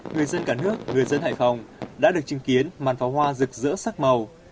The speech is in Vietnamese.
người dân cả nước người dân hải phòng đã được chứng kiến màn pháo hoa rực rỡ sắc màu